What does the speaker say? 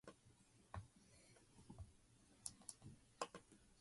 It is bordered to the north by Kealakekua and to the south by Honaunau-Napoopoo.